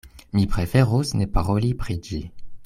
Mi preferus ne paroli pri ĝi.